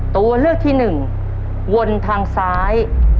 ตัวเลือกที่หนึ่งวนทางซ้าย